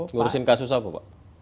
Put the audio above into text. ngurusin kasus apa pak